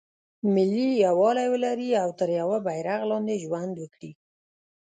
ملي یووالی ولري او تر یوه بیرغ لاندې ژوند وکړي.